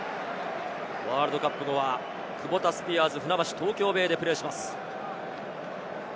ワールドカップ後はクボタスピアーズ船橋・東京ベイでプレーします。